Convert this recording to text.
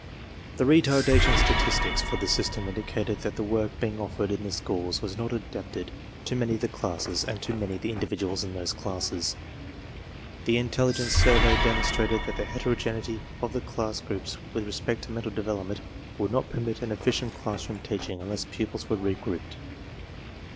The retardation statistics for the system indicated that the work being offered in the schools was not TESTS IN SCHOOLS OF A SMALL CITY 99 adapted to many of the classes and to many of the individuals in those classes. The intelligence survey demonstrated that the heterogeneity of the class groups with respect to mental development would not permit of efficient classroom teaching unless pupils were re grouped.